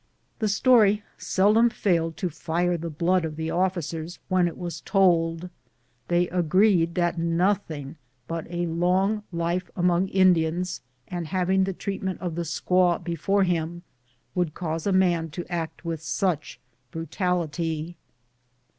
The story seldom failed to fire the blood of the officers when it was told. They agreed that nothing but a long life among Indians, and having the treat ment of the squaw before him, would cause a man to act with such brutality.